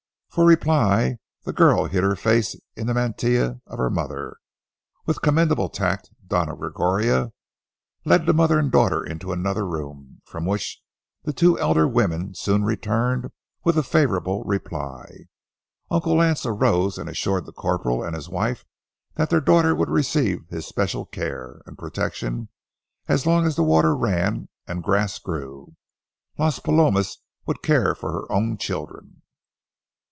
For reply the girl hid her face in the mantilla of her mother. With commendable tact Doña Gregoria led the mother and daughter into another room, from which the two elder women soon returned with a favorable reply. Uncle Lance arose and assured the corporal and his wife that their daughter would receive his special care and protection; that as long as water ran and grass grew, Las Palomas would care for her own children.